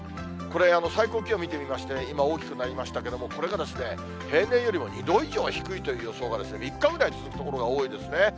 これ、最高気温見てみまして、今、大きくなりましたけども、これが平年よりも２度以上低いという予想が、３日ぐらい続く所が多いですね。